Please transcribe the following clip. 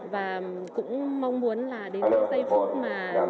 và cũng mong muốn là đến giây phút mà